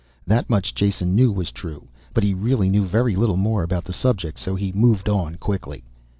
That much Jason knew was true but he really knew very little more about the subject so he moved on quickly.